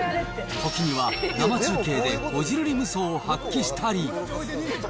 時には、生中継でこじるり無双を発揮したり。